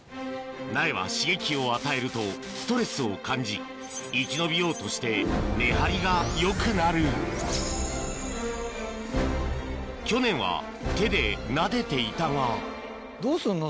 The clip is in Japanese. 苗は刺激を与えるとストレスを感じ生き延びようとして根張りがよくなる去年は手でなでていたがどうすんの？